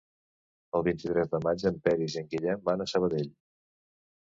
El vint-i-tres de maig en Peris i en Guillem van a Sabadell.